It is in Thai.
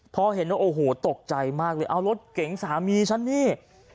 พอเห็นว่าโอ้โหตกใจมากเลยเอารถเก๋งสามีฉันนี่